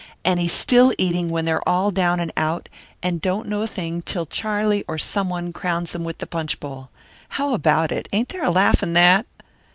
And he's still eating when they're all down and out, and don't know a thing till Charlie or someone crowns him with the punch bowl. How about it? Ain't there a laugh in that?"